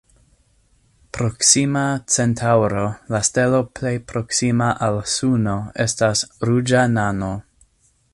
Proksima Centaŭro, la stelo plej proksima al Suno, estas ruĝa nano.